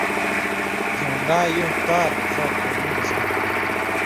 جھن٘ڈا یُوں تار زاں قومی نشان تُھو